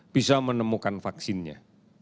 bisa menemukan vaksinnya